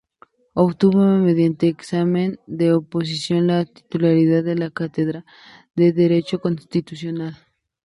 Obtuvo mediante examen de oposición la titularidad de la cátedra de derecho constitucional.